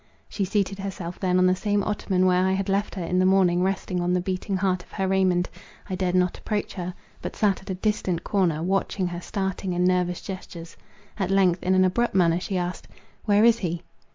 She seated herself then on the same ottoman where I had left her in the morning resting on the beating heart of her Raymond; I dared not approach her, but sat at a distant corner, watching her starting and nervous gestures. At length, in an abrupt manner she asked, "Where is he?"